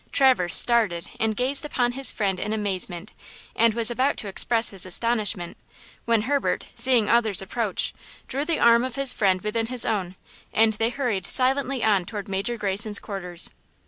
Traverse started and gazed upon his friend in amazement, and was about to express his astonishment, when Herbert, seeing others approach, drew the arm of his friend within his own, and they hurried silently on toward Major Greyson's quarters.